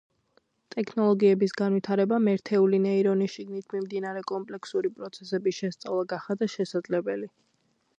ტექნოლოგიების განვითარებამ ერთეული ნეირონის შიგნით მიმდინარე კომპლექსური პროცესების შესწავლა გახადა შესაძლებელი.